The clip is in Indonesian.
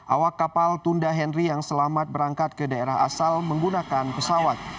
awak kapal tunda henry yang selamat berangkat ke daerah asal menggunakan pesawat